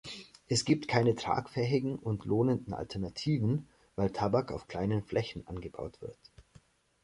Es gibt keine tragfähigen und lohnenden Alternativen, weil Tabak auf kleinen Flächen angebaut wird.